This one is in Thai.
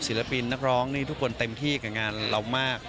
ศิลปินนักร้องนี่ทุกคนเต็มที่กับงานเรามาก